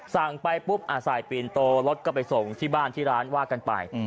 สั่งไปปุ๊บใส่ปีนโตรถก็ไปส่งที่บ้านที่ร้านว่ากันไป